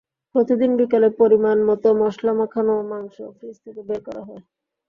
প্রতিদিন বিকেলে পরিমাণমতো মসলা মাখানো মাংস ফ্রিজ থেকে বের করা হয়।